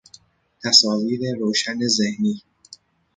تصاویر روشن ذهنی